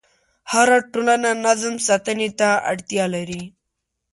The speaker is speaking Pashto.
هره ټولنه نظم ساتنې ته اړتیا لري.